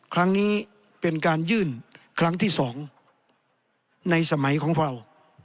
ครั้งนี้เป็นการยื่นครั้งที่๒ในสมัยของเรา